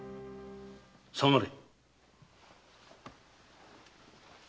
下がれ。